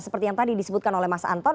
seperti yang tadi disebutkan oleh mas anton